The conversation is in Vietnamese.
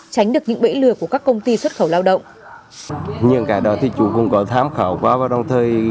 tránh được những bẫy lừa của các công ty xuất khẩu lao động